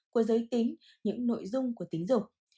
của giới tính những nội dung của tính dục